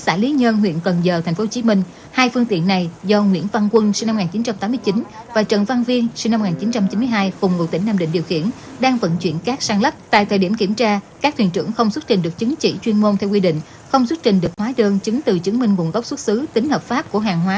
an ninh an toàn cho các điểm thi được đảm bảo